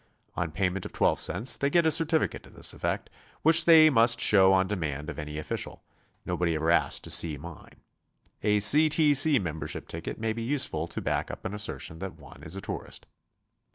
On payment of T2 cents they get a certificate to this effect, which they must show on demand of any official; nob'ody ever asked to see mine. A C. T. C. membership ticket may be useful to back up an aissertion that one is a tourist.